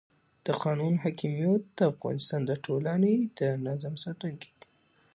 د قانون حاکمیت د افغانستان د ټولنې د نظم ساتونکی دی